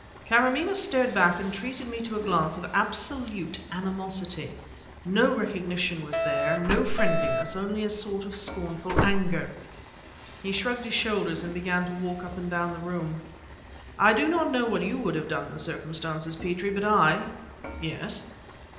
"Karamaneh started back and treated me to a glance of absolute animosity. No recognition was there, and no friendliness only a sort of scornful anger." He shrugged his shoulders and began to walk up and down the room. "I do not know what you would have done in the circumstances, Petrie, but I " "Yes?"